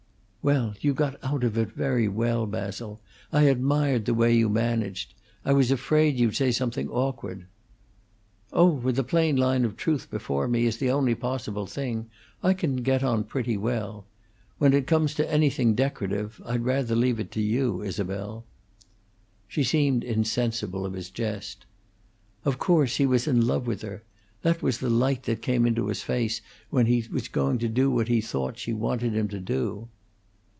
"Well, you got out of it very well, Basil. I admired the way you managed. I was afraid you'd say something awkward." "Oh, with a plain line of truth before me, as the only possible thing, I can get on pretty well. When it comes to anything decorative, I'd rather leave it to you, Isabel." She seemed insensible of his jest. "Of course, he was in love with her. That was the light that came into his face when he was going to do what he thought she wanted him to do."